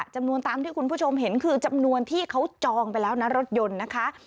จำนวนตามที่คุณผู้ชมเห็นคือจำนวนที่เขาจองไปแล้วนะรถยนต์นะคะ